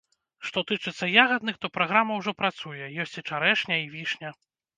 Што тычыцца ягадных, то праграма ўжо працуе, ёсць і чарэшня, і вішня.